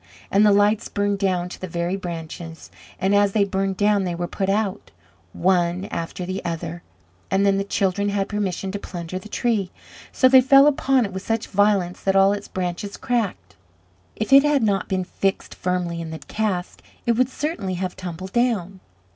And the lights burned down to the very branches, and as they burned down they were put out, one after the other, and then the children had permission to plunder the tree. So they fell upon it with such violence that all its branches cracked; if it had not been fixed firmly in the cask, it would certainly have tumbled down.